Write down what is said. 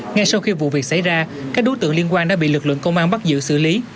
ngay sau khi vụ việc xảy ra các đối tượng liên quan đã bị lực lượng công an bắt giữ xử lý